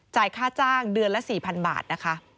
ค่าจ้างเดือนละ๔๐๐๐บาทนะคะ